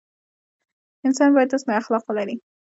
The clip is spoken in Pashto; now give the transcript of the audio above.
انسان باید حسن اخلاق ولري.